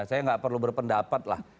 saya nggak perlu berpendapat lah